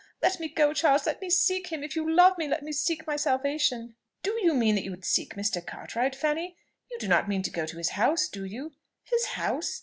Let me go, Charles: let me seek him; if you love me, let me seek my salvation." "Do you mean that you would seek Mr. Cartwright, Fanny? You do not mean to go to his house, do you?" "His house?